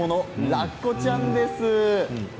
ラッコちゃんです。